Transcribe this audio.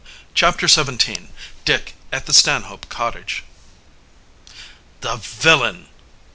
CHAPTER XVII DICK AT THE STANHOPE COTTAGE "The villain!"